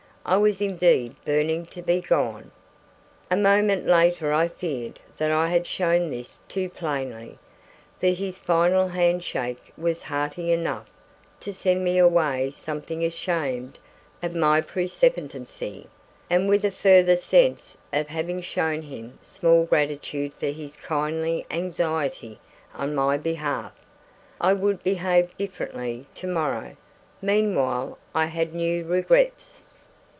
I was indeed burning to be gone. A moment later I feared that I had shown this too plainly. For his final handshake was hearty enough to send me away something ashamed of my precipitancy, and with a further sense of having shown him small gratitude for his kindly anxiety on my behalf. I would behave differently to morrow. Meanwhile I had new regrets.